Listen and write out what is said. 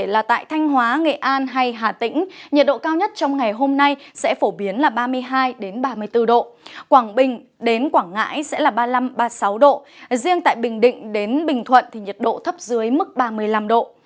riêng tại bình định đến bình thuận thì nhiệt độ thấp dưới mức ba mươi năm độ